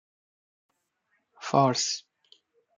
فارس